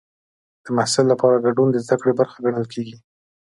د محصل لپاره ګډون د زده کړې برخه ګڼل کېږي.